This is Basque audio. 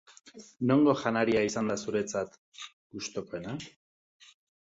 Nongo janaria izan da zuretzat gustukoena?